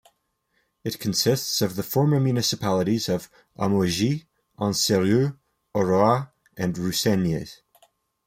It consists of the former municipalities of Amougies, Anseroeul, Orroir and Russegnies.